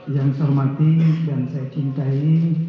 yang saya hormati dan saya cintai